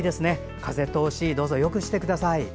風通し、どうぞよくしてください。